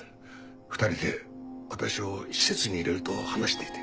２人で私を施設に入れると話していて。